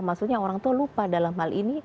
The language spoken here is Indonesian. maksudnya orang tua lupa dalam hal ini